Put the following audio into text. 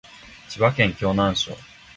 千葉県鋸南町